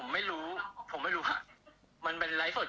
ไม่ได้โกรธผมไม่ได้เกียรติครับ